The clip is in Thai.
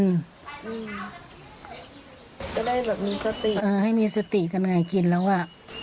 ได้แบบมีสติให้มีสติกันไงกินแล้วอ่ะ